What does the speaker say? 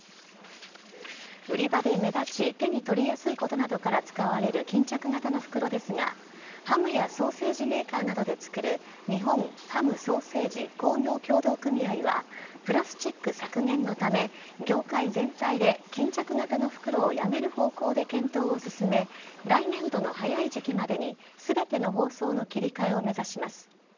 売り場で目立ち、手に取りやすいことなどから使われる巾着型の袋ですが、ハムやソーセージメーカーなどで作る、日本ハム・ソーセージ工業協同組合は、プラスチック削減のため、業界全体で巾着型の袋をやめる方向で検討を進め、来年度の早い時期までに、すべての包装の切り替えを目指します。